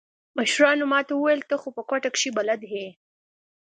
مشرانو ما ته وويل ته خو په کوټه کښې بلد يې.